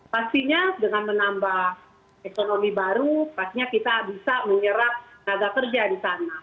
pastinya dengan menambah ekonomi baru pastinya kita bisa menyerap tenaga kerja di sana